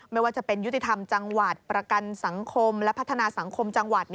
ไม่ว่าจะเป็นยุติธรรมจังหวัดประกันสังคมและพัฒนาสังคมจังหวัด